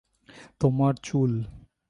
তোমার চুল।